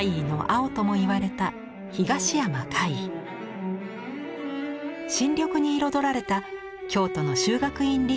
新緑に彩られた京都の修学院離宮の風景。